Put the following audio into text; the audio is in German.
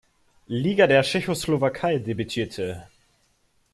Liga der Tschechoslowakei debütierte.